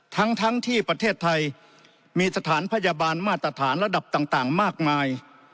ทั้งที่ประเทศไทยมีสถานพยาบาลมาตรฐานระดับต่างมากมาย